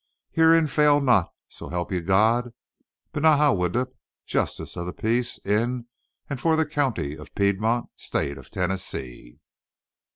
Herein fail not, so help you God. Benaja Widdup, justice of the peace in and for the county of Piedmont, State of Tennessee."